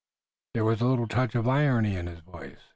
There was a little touch of irony in his voice.